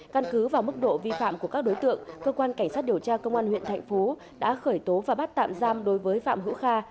căn cứ vào mức độ vi phạm của các đối tượng cơ quan cảnh sát điều tra công an huyện thạnh phú đã khởi tố và bắt tạm giam đối với phạm hữu kha